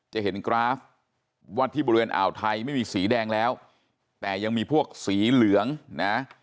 จะเห็นกราฟว่าที่บริเวณอ่าวไทยไม่มีสีแดงแล้วแต่ยังมีพวกสีเหลืองนะ